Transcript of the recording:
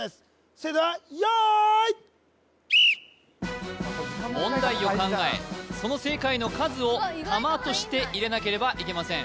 それでは用意問題を考えその正解の数を玉として入れなければいけません